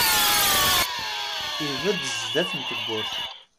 Ibedd sdat n tewwurt.